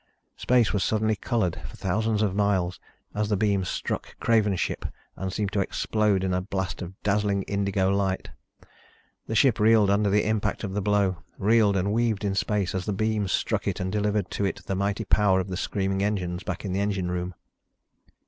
Space was suddenly colored, for thousands of miles, as the beam struck Craven's ship and seemed to explode in a blast of dazzling indigo light. The ship reeled under the impact of the blow, reeled and weaved in space as the beam struck it and delivered to it the mighty power of the screaming engines back in the engine room.